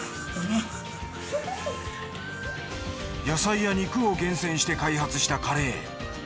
野菜や肉を厳選して開発したカレー。